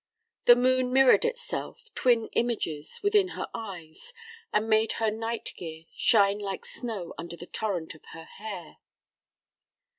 The moon mirrored itself, twin images, within her eyes, and made her night gear shine like snow under the torrent of her hair.